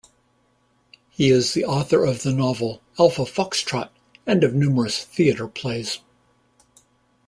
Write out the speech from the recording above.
He is the author of the novel "Alpha Foxtrot" and of numerous theatre plays.